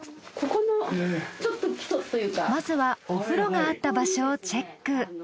まずはお風呂があった場所をチェック。